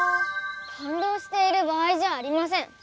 かんどうしている場合じゃありません。